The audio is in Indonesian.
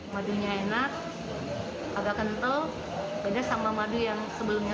madunya enak agak kental beda sama madu yang sebelumnya